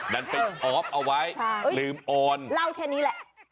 ดันไปออฟเอาไว้ลืมออนเล่าแค่นี้แหละ